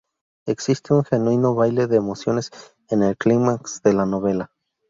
Existe un genuino baile de emociones en el clímax de la novela".